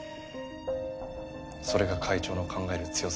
それが会長の考える「強さ」なんですね。